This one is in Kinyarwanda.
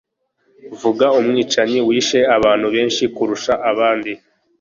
Vuga Umwicanyi wisha abantu benshi kurusha abandi?